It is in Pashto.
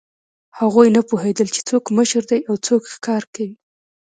هغوی نه پوهېدل، چې څوک مشر دی او څوک ښکار کوي.